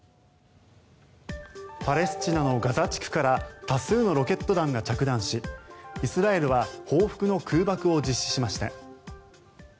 パレスチナのガザ地区から多数のロケット弾が着弾しイスラエルは報復の空爆を実施しました。